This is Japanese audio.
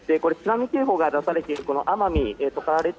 津波警報が出されている奄美トカラ